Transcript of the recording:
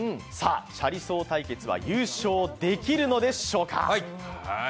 チャリ走対決は優勝できるんでしょうか。